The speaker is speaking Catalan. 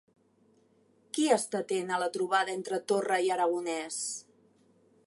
Qui està atent a la trobada entre Torra i Aragonès?